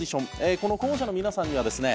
この候補者の皆さんにはですね